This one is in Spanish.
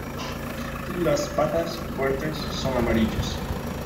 Las patas, fuertes, son amarillas.